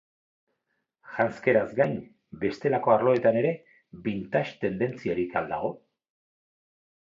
Janzkeraz gain bestelako arloetan ere vintage tendentziarik al dago?